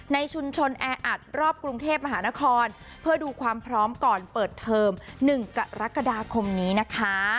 ในชุมชนแออัดรอบกรุงเทพมหานครเพื่อดูความพร้อมก่อนเปิดเทอม๑กรกฎาคมนี้นะคะ